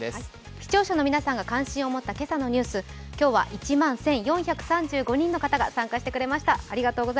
視聴者の皆さんが関心を持った今朝のニュース、今日は１万１４３５人の方に参加いただきました。